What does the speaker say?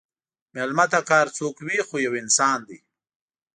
مېلمه ته که هر څوک وي، خو یو انسان دی.